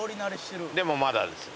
でもまだですね。